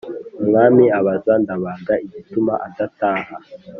Umwami abaza ndabaga igituma adataha